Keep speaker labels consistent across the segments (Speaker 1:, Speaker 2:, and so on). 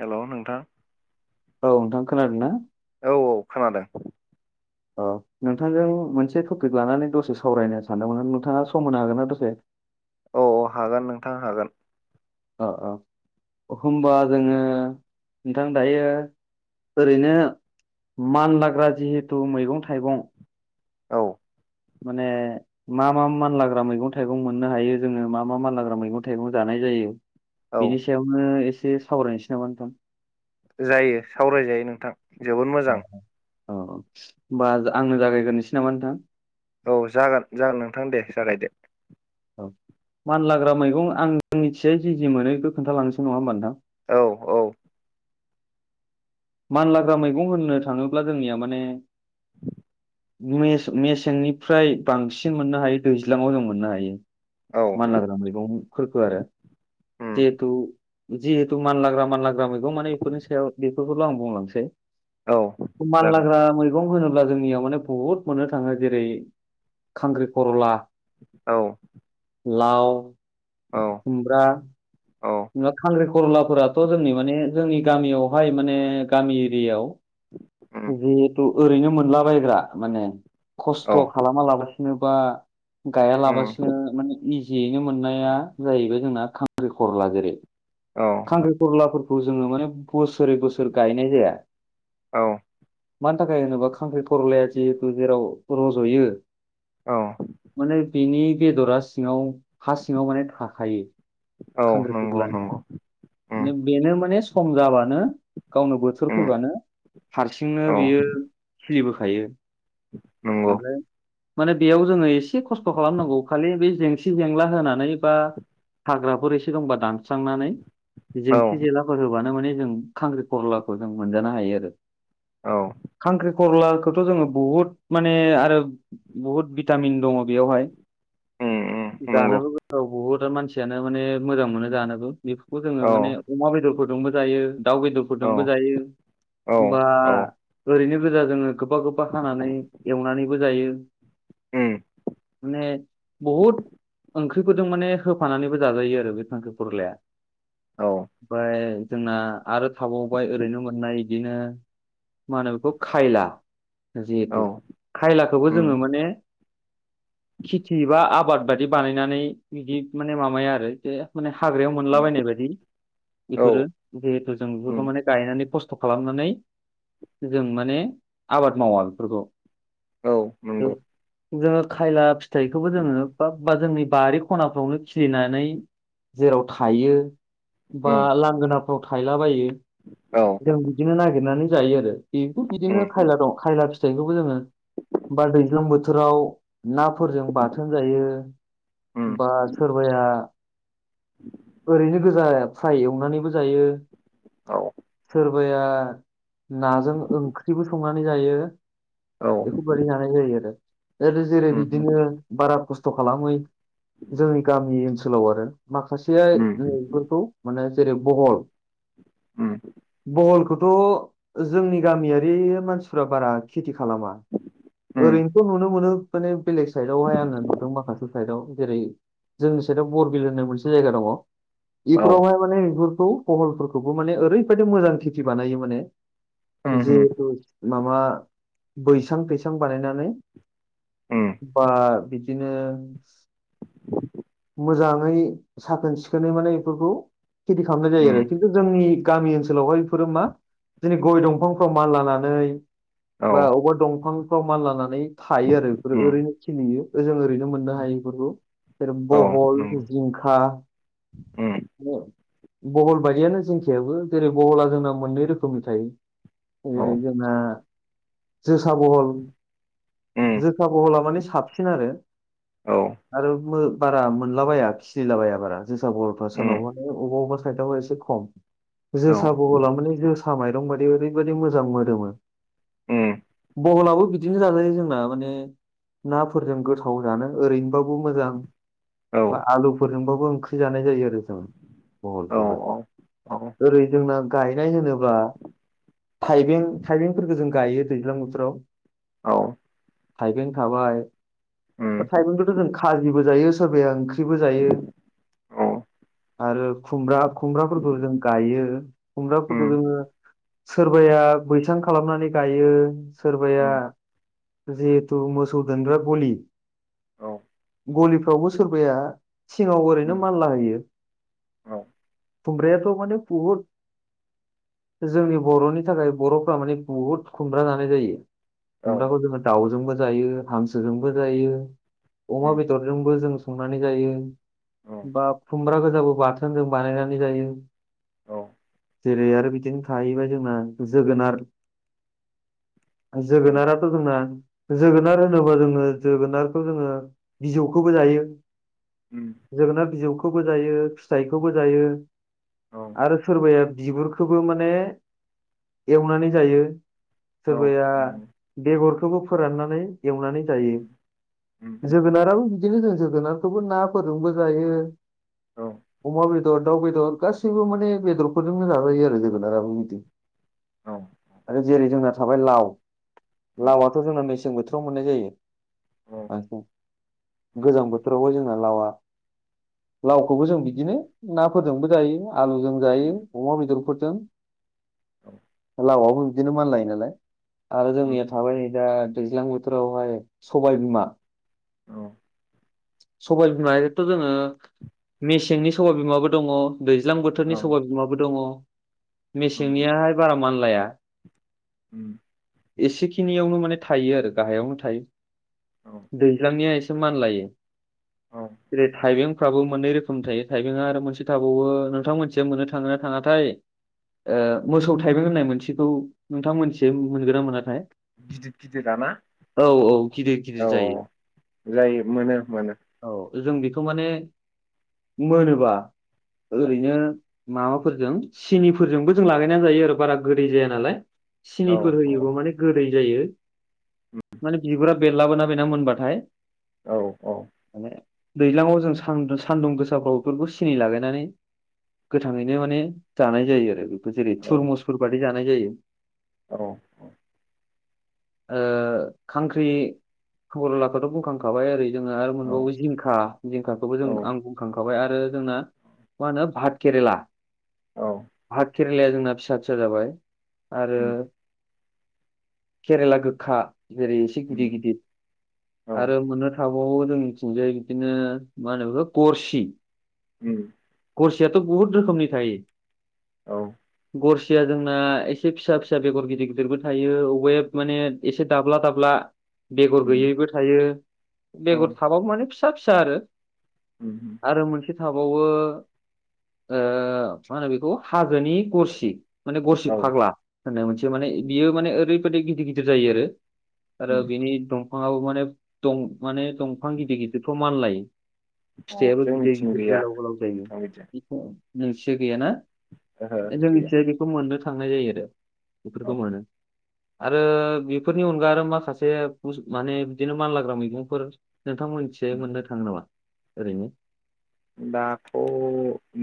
Speaker 1: हेल' नोंथां
Speaker 2: औ नोंथां खोनादों ना
Speaker 1: औ औ खोनादों
Speaker 2: अ नोंथांजों मोनसे टपिक लानानै दसे सावरायनो सानदोंमोन नोंथाङा सम होनो हागोन ना दसे
Speaker 1: औ औ हागोन नोंथां हागोन
Speaker 2: औ औ होनोमबा जोङो नोंथां दायो ओरैनो मान लाग्रा जिहेथु मैगं थाइगं
Speaker 1: औ
Speaker 2: माने मा मा मानलाग्रा मैगं थाइगं मोननो हायो जोङो मा मा मानलाग्रा मैगं थाइगं जानाय जायो
Speaker 1: औ
Speaker 2: बिनि सायावनो एसे सावरायनोसै नामा नोंथां
Speaker 1: जायो सावरायजायो नोंथां जोबोद
Speaker 2: औ
Speaker 1: मोजां
Speaker 2: औ होमबा आंनो जागायग्रोसै नामा नोंथां
Speaker 1: औ जागोन जागोन नोंथां दे जागायदे
Speaker 2: औ मानलाग्रा मैगं आंनिथियाय जि जि मोनो बेखौ खोन्थालांनोसै नङा होमबा नोंथां
Speaker 1: औ औ
Speaker 2: मानलाग्रा मैगं होननो थाङोब्ला जोंनिया माने मेसेंनिफ्राय बांसिन मोननो हायो दैज्लाङाव जों मोननो हायो
Speaker 1: औ
Speaker 2: मानला गोनां मैगंफोरखौ आरो
Speaker 1: उम
Speaker 2: जिहेथु जिहेथु मानलाग्रा मानलाग्रा मैगं माने बेफोरनि सायाव बेफोरखौल' आं बुंलांसै
Speaker 1: औ
Speaker 2: मान
Speaker 1: जागोन
Speaker 2: लाग्रा मैगं होनोब अब्ला जोंनियाव माने बहुद मोननो थाङो जेरै खांख्रि खरला
Speaker 1: औ
Speaker 2: लाव
Speaker 1: औ
Speaker 2: खुमब्रा
Speaker 1: औ
Speaker 2: जेनेबा खांख्रिख कररलाफोराथ' जोंनि माने जोंनि गामियावहाय माने गामि एरियायाव
Speaker 1: उम
Speaker 2: जिहेथु ओरैनो मोनला बग्रा माने खस्थ'
Speaker 1: औ
Speaker 2: खालामा लाबासिनो बा गाया
Speaker 1: उम
Speaker 2: लाबासो माने नि जियैनो मोननाया जाहैबाय जोंना खांख्रिखरला जेरै
Speaker 1: औ
Speaker 2: खांख्रिखरलाफोरखौ खौ जोङो माने बोसोरै बोसोर गायनाय जाया
Speaker 1: औ
Speaker 2: मानि थाखाय होनोबा खांख्रि खरलाया जिहेटु जेराव रज'यो
Speaker 1: औ
Speaker 2: माने बिनि बेदरा सिङाव हा सिङाव माने थाखायो
Speaker 1: औ नंगौ
Speaker 2: [unintelligible]
Speaker 1: नंगौ उम
Speaker 2: बेनो माने सम जाबानो गावनो बोथोर
Speaker 1: उम
Speaker 2: फैबानो हारसिंनो
Speaker 1: औ
Speaker 2: बियो खलिबोखायो
Speaker 1: नंगौ
Speaker 2: ओमफ्राय माने बेयाव जोङो एसे खस्थ' खालामनांगौ खालि बे जेंसि जेंला होनानै बा हाग्राफोर एसे दंमबा दां स्रांनानै
Speaker 1: औ
Speaker 2: जेंसि जेलाफोर होब्लानो माने जों खांख्रि खरलाखौ जों मोनजानो हायो आरो
Speaker 1: औ
Speaker 2: खांख्रि खरलाखौथ' जोङो बुहुद माने आरो बुहुत भिटामिन दङ बेयावहाय
Speaker 1: उम उम नंगौ
Speaker 2: जानोबो गोथाव बहुद मानसियानो माने मोजां मोनो जानोबो बे खौ जोङो
Speaker 1: औ
Speaker 2: माने अमा बेदरफोरजोंबो जायो दाउ
Speaker 1: औ
Speaker 2: बेदरफोरजोंबो जायो
Speaker 1: औ
Speaker 2: होमबा
Speaker 1: औ
Speaker 2: ओरैनो गोजा जोङो गोबा गोबा हानानै एवनानैबो जायो
Speaker 1: उम
Speaker 2: माने बहुतं ओं ख्रि फोरजों माने होफानानैबो जाजायो आरो बे फांख्रिखरलाया
Speaker 1: औ
Speaker 2: ओमफ्राय जोंना आरो थाबावबाय ओरैनो मोननाय बिदिनो मा होनो बेखौ खायला
Speaker 1: औ
Speaker 2: जिहेथु खायलाखौबो
Speaker 1: उम
Speaker 2: जोङो माने खेथि बा आबाद बायि बानायनानै बिदि माने माबाया आरो बेे हाग्रायाव
Speaker 1: उम
Speaker 2: मोनलाबायनाय बायदि
Speaker 1: औ
Speaker 2: बेफोरो जिहेथु जों
Speaker 1: उम
Speaker 2: बेफोरखौ माने गायनानै खस्थ खस्थ' खालामनानै जों माने आबाद मावा बेफोरखौ
Speaker 1: औ नंगौ
Speaker 2: जोङो खायला फिथाइखौबो जोङो बा बा जोंनि बारि खनाफ्रावनो खिलिनानै जेराव थायो बा
Speaker 1: उम
Speaker 2: लांगोनाफ्राव थायलाबायो
Speaker 1: औ
Speaker 2: जों बिदिनो नागिरनानै जायो आरो बेबोथ' बिदिनो
Speaker 1: उम
Speaker 2: खायला दं खायला फि थाइखौबो जोङो बा दैज्लां बोथोराव नाफोरजों बाथोन जायो
Speaker 1: उम
Speaker 2: बा सोरबाया ओरैनो गोजा फ्राय एवनानैबो जायो।
Speaker 1: औ।
Speaker 2: सोरबाया नाजों ओंख्रिबो संनानै जायो।
Speaker 1: औ
Speaker 2: बेफोरबायदि जानाय जायो आरो। आरो जेरै
Speaker 1: उम
Speaker 2: बिदिनो
Speaker 1: उम
Speaker 2: बारा खस्थ' खालामै जोंनि गामि ओनसोलाव आरो माखासेया नै एफोरखौ माने जेरै बहल
Speaker 1: उम
Speaker 2: बहलखौ थ' जोंनि गामियारि मानसिफोरा बारा खेथि खालामा
Speaker 1: उम
Speaker 2: ओरैनोथ' नुनो मोनो। माने बेलेग साइडावहाय आङो नुदों माखासे साइडआव जेरै जोंनि साइडआव बरबिल होननाय मोनसे जायगा दङ
Speaker 1: औ
Speaker 2: बेफोरावहाय माने बहलफोरखौबो माने ओरैबायदि मोजां खेटि बानायो माने
Speaker 1: उम उम
Speaker 2: जिहेथु माबा बैसां थैसां बानायनानै
Speaker 1: उम
Speaker 2: बा बिदि बिदिनो मोजाङै साखोन सिखोनै माने बेफोरखौ खेथि खालामनाय जायो
Speaker 1: उम
Speaker 2: आरो। खिन्थु जोंनि गामि ओनसोलावहाय बेफोरो मा जेरै- गय दंफांफ्राव मानलानानै
Speaker 1: औ
Speaker 2: बा बबावबा दंफांफ्राव मानलानानै थायो आरो बेफोरो
Speaker 1: उम
Speaker 2: ओरैनो खिलियो ओजों ओरैनो मोननो हायो बेफोरखौ। जेरै-
Speaker 1: औ
Speaker 2: बहल,
Speaker 1: नंगौ
Speaker 2: जिंखा औ बहल बायदियानो जोंनिखिंजायबो जेरै बहला जोंना मोननै रोखोमनि थायो। जेरै जोंहा जोसा बहल
Speaker 1: उम
Speaker 2: जोसा बहला माने साबसिन आरो।
Speaker 1: औ
Speaker 2: आरो बारा मोनलाबाया खिलिलाबाया बारा जोसा बहलफ्रा सोरनाव
Speaker 1: उम
Speaker 2: माने बबेबा अबेबा साइदआवबो एसे खम
Speaker 1: औ उम औ
Speaker 2: जोसा बहला माने जो सा माइरं बायदि ओरैबायदि मोजां मोदोमो।
Speaker 1: उम
Speaker 2: महलाबो बिदिनो जाजायो जोंना माने नाफोरजों गोथाव जानो ओरैनोबाबो मोजां।
Speaker 1: औ
Speaker 2: बा आलुफोरजोंबाबो ओंख्रि जानाय जायो आरो जों
Speaker 1: औ
Speaker 2: बहलखौहाय
Speaker 1: औ
Speaker 2: ओरै जोंना गायनाय होनोब्ला थाइबें थाइबेंफोरखौ जों गायो दैज्लां बोथोराव।
Speaker 1: औ।
Speaker 2: थाइबें थाबाय
Speaker 1: उम
Speaker 2: थाइबेंखौथ' जों खाजिबो जायो सोरबाया ओंख्रिबो जायो।
Speaker 1: औ।
Speaker 2: आरो खुमब्रा खुमब्राफोरखौ जों गायो खुमब्राफोरखौ
Speaker 1: उम
Speaker 2: जोङो सोरबाया बैसां खालामनानै गायो। सोरबाया
Speaker 1: उम
Speaker 2: जिहेथु मोसौ गुमग्रा गलि
Speaker 1: औ।
Speaker 2: गलिफ्रावबो सोरबाया सिङाव ओरैनो
Speaker 1: उम
Speaker 2: मालला होयो।
Speaker 1: औ
Speaker 2: खुब्रायाथ' माने बहुट जोंनि बर'नि थाखाय बर'फ्रा माने बुहुद खुमब्रा जानाय जायो।
Speaker 1: औ
Speaker 2: खुमब्राखौ जोङो दाउजोंबो जायो, हांसोजोंबो
Speaker 1: उम
Speaker 2: जायो, अमा बेदरजोंबो जों संनानै जायो,
Speaker 1: औ
Speaker 2: बा खुमब्रा गोजाबो बाथोन जों बानायनानै जायो।
Speaker 1: औ।
Speaker 2: जेरै आरो बिदिनो थाहैबाय जोंना जोगोनार
Speaker 1: उम
Speaker 2: जोगोनाराथ' जोंना जोगोनार होनोबा जोङो जोगोनारखौ जोङो बिजौखौबो जायो।
Speaker 1: उम
Speaker 2: जोगोनार बिजौखौबो जायो, फिथाइखौबो जायो
Speaker 1: औ
Speaker 2: आरो सोरबाया बिगुरखोबो माने एवनानै जायो
Speaker 1: नंगौ
Speaker 2: सोरबाया
Speaker 1: उम
Speaker 2: बेगरखौबो फोराननानै एवनानै जायो
Speaker 1: उम
Speaker 2: जोगोनाराबो बिदिनो जों जोगोनारखौबो ना फोरजोंबो जायो
Speaker 1: औ
Speaker 2: अमा बेदर बेदर दाउ बेदर गासैबो माने बेदरफोरजोंनो जाजायो आरो जोगोनाराबो बिदि
Speaker 1: औ
Speaker 2: आरो जेरै जोंना थाबाय लाव लावाथ' जोंना नै गोजां बोथोराव मोननाय जायो बांसिन गोजां बोथोरावबो जोंना लावा लावखौबो जों बिदिनो नाफोरजोंबो जायो आलुजों जायो अमा बेदरफोरजों लावाबो बिदिनो मानलायो नालाय आरो जोंनिया थाबाय नै दा दैज्लां बोथोरावहाय सबाय बिमा
Speaker 1: औ
Speaker 2: सबाइ बिमायाथ' जोङो मेसेंनि सबाइ बिमाबो दङ दैज्लां
Speaker 1: औ
Speaker 2: बोथोरनि सबाइ बिमाबो दङ
Speaker 1: औ
Speaker 2: मेसेंनियाहाय बारा मानलाया
Speaker 1: उम
Speaker 2: एसेखिनियावनो माने थायो आरो गाहायावनो
Speaker 1: औ
Speaker 2: थायो दैज्लांनिया एसे मानलायो
Speaker 1: औ
Speaker 2: जेरै थाइबेंफ्राबो मोननै रोखोमनि थायो थाइबेंआ आरो मोनसे थाबावो नोंथां मोननिथिंजाय मोननो थाङो ना थाङाथाय ओ मोसौ थाइबें होननाय मोनसेखौ नोंथांमोननिथिंजाय मोनगोना मोनाथाय
Speaker 1: गिदिर गिदिराना
Speaker 2: औ औ गिदिर गिदिर
Speaker 1: औ औ
Speaker 2: जायो
Speaker 1: जायो मोनो मोनो
Speaker 2: औ जों बेखौ माने मोनोबा
Speaker 1: औ
Speaker 2: ओरैनो माबाफोरजों सिनिफोरजोंबो जों लागायनानै जायो आरो बारा गोदै जाया नालाय
Speaker 1: औ
Speaker 2: सिनिफोर
Speaker 1: औ
Speaker 2: होयोबा माने गोदै जायो
Speaker 1: उम,
Speaker 2: माने बिगुरा बेरलाबोना बेना मोनबाथाय
Speaker 1: औ औ
Speaker 2: माने दैज्लाङाव जों सान्दुं सान्दुं गोसाफ्राव बेफोरखौ सिनि लागायनानै गोथाङैनो माने जानाय जायो आरो बेफोर जेरै थुरमुसफोर बादि जानाय जायो
Speaker 1: औ औ
Speaker 2: ओ खांख्रि खलाखौथ' बुंखांखाबाय ओरै जोङो आरो
Speaker 1: औ
Speaker 2: मोनबावो जिंखा जिंखाखौबो जों
Speaker 1: औ
Speaker 2: आं बुंखांखाबाय आरो आरो जोंना मा होनो भात केरेला
Speaker 1: औ
Speaker 2: भात केरेलाया जोंना फिसा फिसा जाबाय आरो
Speaker 1: उम,
Speaker 2: केरेला गोखा जेरै एसे
Speaker 1: उम,
Speaker 2: गिदिर गिदिर
Speaker 1: औ
Speaker 2: आरो मोननो था [unintelligible] जोंनि थिंजाय बिदिनो मा होनो बेखौ गरसि
Speaker 1: उम
Speaker 2: गरसियाथ' बुहुत रोखोमनि थायो
Speaker 1: औ
Speaker 2: गरसिया जोंना एसे फिसा फिसा बेगर गिदिर गिदिरबो थायो अबाया माने एसे दाब्ला दाब्ला बेगर
Speaker 1: उम,
Speaker 2: गैयैबो थायो
Speaker 1: औ
Speaker 2: बेगर
Speaker 1: उम,
Speaker 2: थाबाबो माने फिसा फिसा आरो
Speaker 1: उम,
Speaker 2: आरो मोनसे थाबावो ओ मा होनो बेखौ हाजोनि गरसि माने गरसि
Speaker 1: औ
Speaker 2: फाग्ला होननाय मोनसे माने बियो माने ओरैबायदि गिदिर गिदिर जायो आरो आरो
Speaker 1: उम,
Speaker 2: बिनि दंफांआबो माने दं माने दंफां गिदिर गिदिरफ्राव मानलायो
Speaker 1: अ
Speaker 2: फिथाइआबो गिदिर
Speaker 1: जोंनिथिं
Speaker 2: गिदिर
Speaker 1: गैया
Speaker 2: गोलाव गोलाव जायो
Speaker 1: नोंथां बिदिया
Speaker 2: नोंथिजाय गैयाना
Speaker 1: ओहो
Speaker 2: दा
Speaker 1: ओहो गैया
Speaker 2: जोंनिथिजाय बेखौ मोननो थांनाय जायो आरो बेफोरखौ
Speaker 1: औ
Speaker 2: मोनो आरो बेफोरनि अनगा आरो माखासे माने बिदिनो मानलाग्रा मैगंफोर नोंथांमोन मोननो थाङो नामा ओरैनो
Speaker 1: दाथ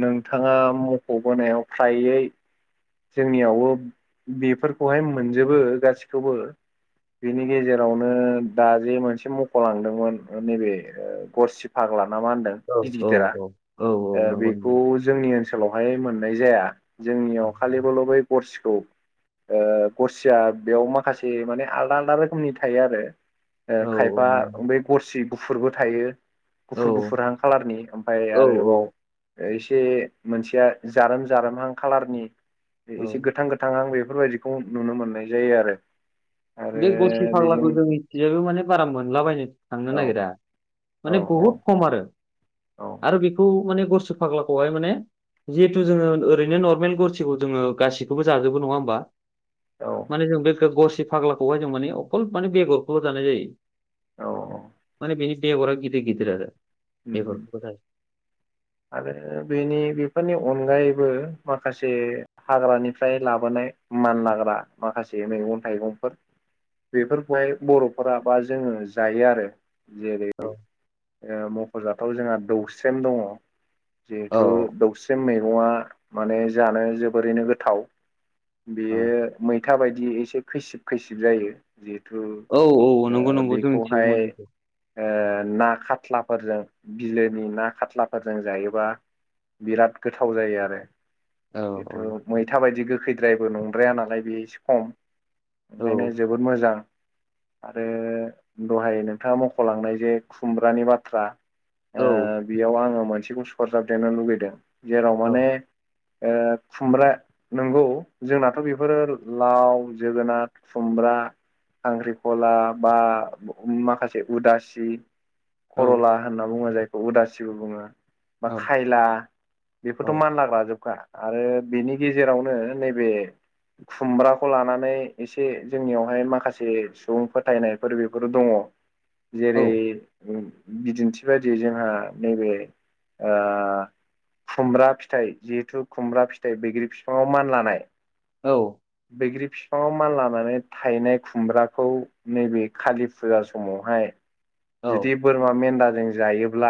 Speaker 1: नोंथाङा मखबोनायाव फ्रायै जोंनियावबो बेफोरखौहाय मोनजोबो गासिखौबो बेनि गेजेरावनो दा जे मोनसे मखलांदोंमोन नैबे गरसिफा ला ना मा होनदों
Speaker 2: औ
Speaker 1: गिदिर
Speaker 2: औ
Speaker 1: गिदिरा
Speaker 2: औ औ औ
Speaker 1: ओ
Speaker 2: नंगौ नंगौ
Speaker 1: बेखौ जोंनि ओनसोल ओनसोलावहाय मोननाय जाया जोंनियाव खालिबोल बै गरसिखौ ओ गरसिया बेयाव माखासे माने आलदा आलदा रोखोमनि थायो आरो ओ
Speaker 2: औ
Speaker 1: खायफा
Speaker 2: नंगौ
Speaker 1: बे गरसि गुफुरबो थायो गुफुर
Speaker 2: औ
Speaker 1: गुफुरहां सारनि ओमफाय
Speaker 2: औ
Speaker 1: आरोबाव
Speaker 2: औ
Speaker 1: इसे मोनसेया जारोम जारोमहां खालारनि इसे
Speaker 2: औ
Speaker 1: गोथां गोथां आं बेफोरबायदिखौ नुनो मोननाय जायो आरो आरो
Speaker 2: बे गरसि
Speaker 1: बेजों
Speaker 2: फाग्लाखौ जोंनिथिंजायबो माने बारा मोनलाबायनो थांनो
Speaker 1: औ
Speaker 2: नागिरा
Speaker 1: औ
Speaker 2: माने बहुद खम आरो
Speaker 1: औ
Speaker 2: आरो बेखौ माने गरसि फाग्लाखौहाय माने जिहेथु जोङो ओरैनो नरमेल गरसिखौ जोङो गासिखौबो जाजोबो नङा होमबा
Speaker 1: औ
Speaker 2: माने जों बे गरसे फाग्लाखौहाय जों माने अखल माने बेगरखौल जानाय जायो।
Speaker 1: औ औ
Speaker 2: माने बेनि बेगरा गिदिर गिदिर आरो बेगरखौ
Speaker 1: आरो बेनि बेफोरनि अनगायैबो माखासे हाग्रानिफ्राय लाबोनाय मानलाग्रा माखासे मैगं थाइगंफोर बेफोरखौहाय बर'फोरा बा जोङो जायो आरो जेरै
Speaker 2: औ
Speaker 1: मखजाथाव जोंहा दौस्रेम दङ
Speaker 2: औ
Speaker 1: जिहेथु दौस्रेम मैगंआ माने जानो जोबोरैनो गोथाव
Speaker 2: औ
Speaker 1: बेयो मैथा बायदि एसे खैसिब खैसिब जायो जि थु
Speaker 2: औ औ नंगौ
Speaker 1: ओ
Speaker 2: नंगौ जोंनिथिंबो
Speaker 1: बेखौहाय
Speaker 2: मोनो बेखौ
Speaker 1: ओ ना खाथ्लाफोरजों बिलोनि ना खाथ्लाफोरजों जायोबा बिराद गोथाव जायो आरो
Speaker 2: औ
Speaker 1: बेथ
Speaker 2: औ
Speaker 1: मैथा बायदि गोखैद्रायबो नंद्राया नालाय बे एसे खम
Speaker 2: औ
Speaker 1: ओंखायनो जोबोद मोजां आरो दहाय नोंथाङा मखलांनाय जे खुमब्रानि बाथ्रा
Speaker 2: औ
Speaker 1: ओ बेयाव आङो मोनसेखौ सरजाबदेरनो लुगैदों जेराव
Speaker 2: औ
Speaker 1: माने ओ खुमब्रा नंगौ जोंनाथ बेफोरो लाव जोगोनार खुमब ब्रा खांख्रिखला बा माखासे उदासि
Speaker 2: औ
Speaker 1: कर'ला होनना बुङो जायखौ उदासिबो बुङो। बा खायला बेफोरथ मानलाग्राजोबखा आरो बेनि गेजेरावनो नैबे खुमब्राखौ लानानै एसे जोंनियावहाय माखासे सुबुं फोथायनायफोर बेफोर दङ जेरै बिदिन्थि बायदियै जोंहा नैबे ओ खुमब्रा फिथाइ जिहेथु खुमब्रा फिथाइ बैग्रि फिफाङाव मानलानाय
Speaker 2: औ।
Speaker 1: बैग्रि फिफाङाव मानलानानै थायनाय खुमब्राखौ नैबे खालि फुजा समावहाय
Speaker 2: औ
Speaker 1: जुदि बोरमा मेन्दाजों जायोब्ला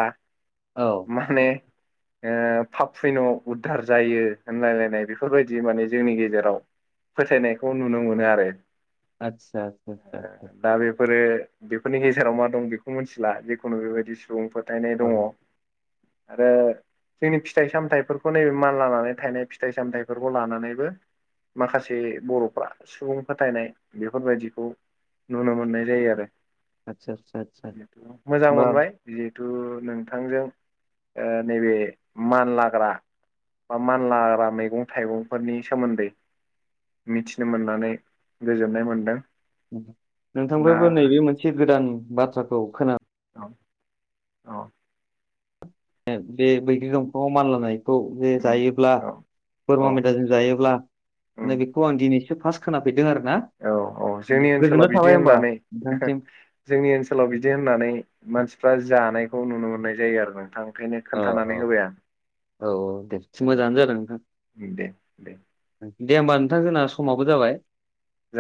Speaker 2: औ
Speaker 1: माने ओ पाब फुइन' उधार जायो होनलायलायनाय बेफोरबायदि माने जोंनि गेजेराव फोथायनायखौ नुनो मोनो आरो।
Speaker 2: आतसा आसा आसा आसा
Speaker 1: फोरो बेफोरनि गेजेराव मा दं बेखौ मोथिला जिखुनु बेबायदि सुबुं फोथायनाय
Speaker 2: औ
Speaker 1: दङ'। आरो जोंनि फिथाइ सामथायाइफोरखौ नैबे मानलानानै थाइनाय फिथाइ सामथायाइफोरखौ लानानैबो माखासे बर'फ्रा सुबुं फोथायनाय बेफोरबायदिखौ नुनो मोननाय जायो आरो।
Speaker 2: आतसा आसा
Speaker 1: मोजां मोनबाइ बियो थु नोंथांजों ओ नैबे मानलाग्रा मा-मानलाग्रा मैगं थाइगंफोरनि सोमोन्दै मिथिनो मोननानै गोजोननाय मोनदों। दा
Speaker 2: नोंथांनिफ्राबो नैबे मोनसे गोदान बाथ्राखौ खोनाना
Speaker 1: औ औ।
Speaker 2: बे बैग्रि दंफाङाव मानलानाइ औ बे जायोब्ला
Speaker 1: औ औ
Speaker 2: बोरमा मेदाजों जायोब्ला
Speaker 1: उम
Speaker 2: माने बेखौ आं दिनैसिम फास्ट खोनाफेरदों आरो ना
Speaker 1: औ औ जोंनि
Speaker 2: गोजोननाय
Speaker 1: ओनसोलाव बिदि
Speaker 2: थाबाय होमबा
Speaker 1: होननानै
Speaker 2: नोंथांसिम
Speaker 1: जोंनि ओनसोलाव बिदि होननानै मानसिफ्रा जानायखौ नुनो मोननाय जायो आरो नोंथां। ओंखायनो
Speaker 2: औ औ
Speaker 1: खोन्थानानै होबाय आं।
Speaker 2: औ औ दे मोजाङानो
Speaker 1: औ
Speaker 2: जादों नोंथां।
Speaker 1: दे दे
Speaker 2: दे होमबा नोंथां जोंना समावबो जाबाय।
Speaker 1: औ